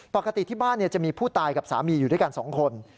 ปกติที่บ้านจะมีผู้ตายกับสามีอยู่ด้วยกัน๒คน